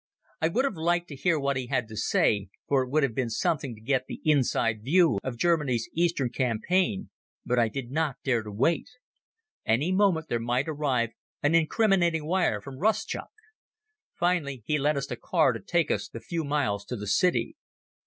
I would have liked to hear what he had to say, for it would have been something to get the inside view of Germany's Eastern campaign, but I did not dare to wait. Any moment there might arrive an incriminating wire from Rustchuk. Finally he lent us a car to take us the few miles to the city.